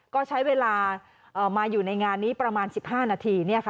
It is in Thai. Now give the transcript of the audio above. ก็ใช้เวลามาอยู่ในงานนี้ประมาณ๑๕นาที